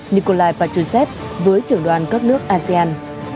nikolai patrushev với trưởng đoàn các nước asean